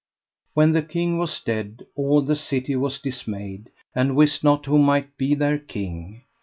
When the king was dead all the city was dismayed, and wist not who might be their king.